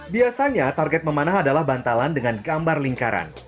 biasanya target memanah adalah bantalan dengan gambar lingkaran